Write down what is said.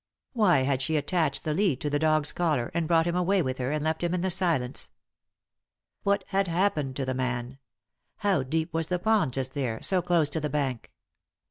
Why had she attached the lead to the dog's collar, and brought him away with her, and left him in the silence ? What had happened to the man ? How deep was the pond, just there, so close to the bank